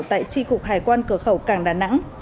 tại tri cục hải quan cửa khẩu cảng đà nẵng